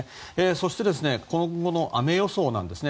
そして、今後の雨予想ですね。